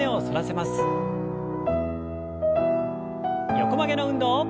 横曲げの運動。